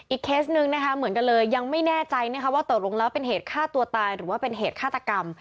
เคสหนึ่งนะคะเหมือนกันเลยยังไม่แน่ใจนะคะว่าตกลงแล้วเป็นเหตุฆ่าตัวตายหรือว่าเป็นเหตุฆาตกรรม